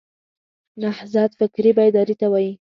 نهضت فکري بیداري ته وایي.